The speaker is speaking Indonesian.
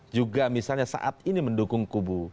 juga misalnya saat ini mendukung kubu